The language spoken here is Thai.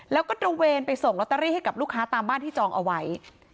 แล้วก็ตระเวนไปส่งลอตเตอรี่ให้กับลูกค้าตามบ้านที่จองเอาไว้